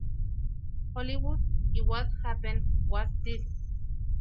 Hollywood" y "What Happened Was This".